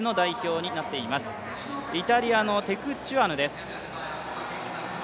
イタリアのテクチュアヌです。